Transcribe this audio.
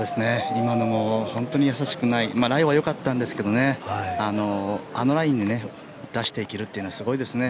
今のも本当に易しくないライはよかったんですけどあのラインに出していけるというのはすごいですね。